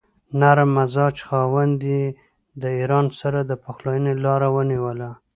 نرم مزاج خاوند یې د ایران سره د پخلاینې لاره ونیوله.